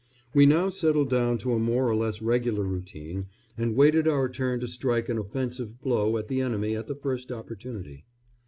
We now settled down to a more or less regular routine, and waited our turn to strike an offensive blow at the enemy at the first opportunity.